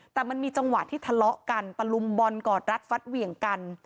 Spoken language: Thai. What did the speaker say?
แต่มันมีจังหวะที่ทะเลาะกันประลุงบลกอรัชรัฐวัสเวี่ยงกัน